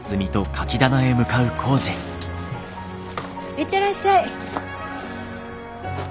行ってらっしゃい。